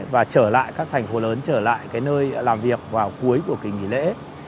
và các thành phố lớn trở lại nơi làm việc vào cuối của kỳ nghỉ lễ